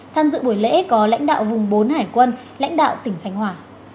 tham dự buổi lễ có lãnh đạo vùng bốn hải quân lãnh đạo tỉnh khánh hòa